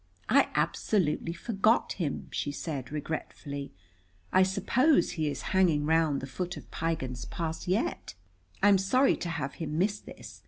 "I absolutely forgot him," she said regretfully. "I suppose he is hanging round the foot of Piegan's Pass yet. I'm sorry to have him miss this.